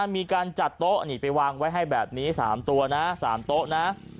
มีการจัดโต๊ะอันนี้ไปวางไว้ให้แบบนี้๓ตัวนะ๓โต๊ะนะ